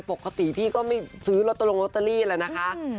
ปกติพี่ก็ไม่ซื้อเงาะรงโรตัรีเลยนะคะ